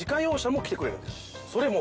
それも。